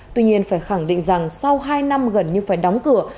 tuy nhiên phải khẳng định rằng sau hai năm gần như phải đóng cửa